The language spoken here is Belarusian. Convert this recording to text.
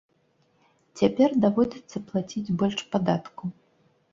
Цяпер даводзіцца плаціць больш падаткаў.